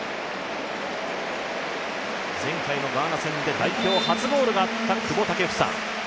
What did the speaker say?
前回のガーナ戦で代表初ゴールがあった久保建英。